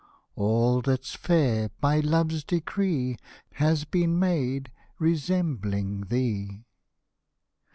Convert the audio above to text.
All that's fair, by Love's decree, Has been made resembling thee.